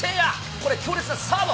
これ、強烈なサード。